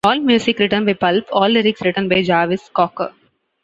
All music written by Pulp, all lyrics written by Jarvis Cocker.